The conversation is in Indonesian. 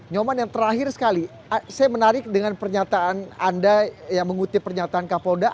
nyoman yang terakhir sekali saya menarik dengan pernyataan anda yang mengutip pernyataan kapolda